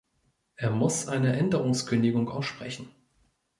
Er muss eine Änderungskündigung aussprechen.